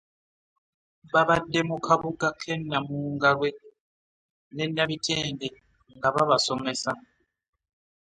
Babadde mu kabuga k'e Namungalwe ne Nabitende nga babasomesa